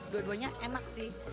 dua duanya enak sih